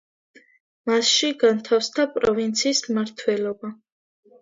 მასში განთავსდა პროვინციის მმართველობა.